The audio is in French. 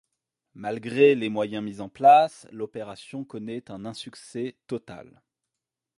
Malgré les moyens mis en place l’opération connaît un insuccès total.